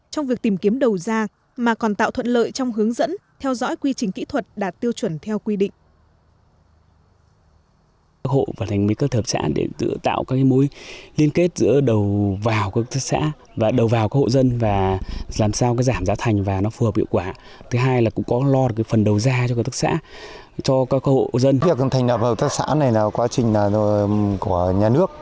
trong việc tìm kiếm đầu ra mà còn tạo thuận lợi trong hướng dẫn theo dõi quy trình kỹ thuật đạt tiêu chuẩn theo quy định